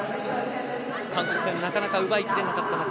韓国戦なかなか奪いきれなかった中